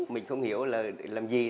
mình không hiểu là làm gì